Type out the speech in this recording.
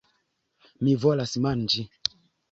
Mi volas manĝi!